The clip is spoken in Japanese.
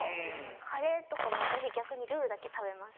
カレーとかも私逆にルーだけ食べます。